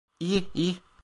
İyi, iyi.